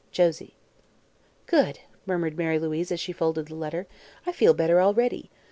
Josie "Good!" murmured Mary Louise, as she folded the letter. "I feel better already.